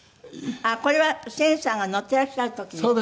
あっこれは千さんが乗っていらっしゃる時ですね。